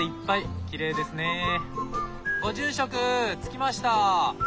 ご住職着きました！